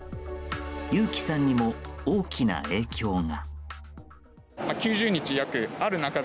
ユウキさんにも大きな影響が。